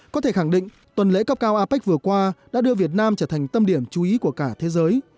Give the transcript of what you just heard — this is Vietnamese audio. có thể khẳng định tuần lễ cấp cao apec vừa qua đã đưa việt nam trở thành tâm điểm chú ý của cả thế giới